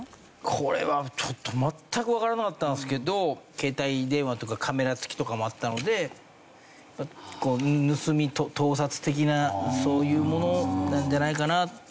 これはちょっと全くわからなかったんですけど携帯電話とかカメラ付きとかもあったので盗み盗撮的なそういうものなんじゃないかなって。